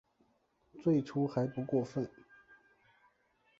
最初还不过分